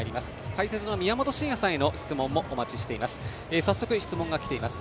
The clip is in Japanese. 解説の宮本慎也さんへの質問もお待ちしております。